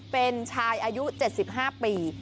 เป็นชายอายุ๗๕ปี